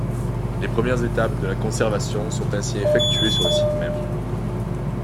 Les premières étapes de la conservation sont ainsi effectuées sur le site même.